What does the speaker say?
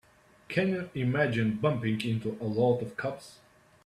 Can you imagine bumping into a load of cops?